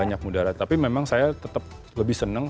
banyak mudarat tapi memang saya tetap lebih seneng